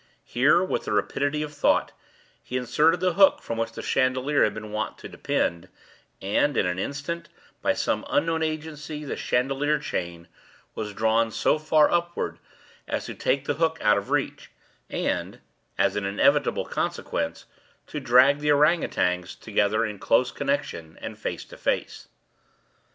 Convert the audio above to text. Here, with the rapidity of thought, he inserted the hook from which the chandelier had been wont to depend; and, in an instant, by some unseen agency, the chandelier chain was drawn so far upward as to take the hook out of reach, and, as an inevitable consequence, to drag the ourang outangs together in close connection, and face to face.